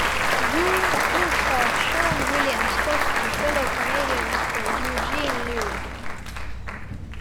"Goon" co-stars Seann William Scott and fellow Canadian actor, Eugene Levy.